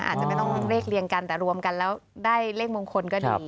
อาจจะไม่ต้องเลขเรียงกันแต่รวมกันแล้วได้เลขมงคลก็ดี